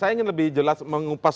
saya ingin lebih jelas mengupas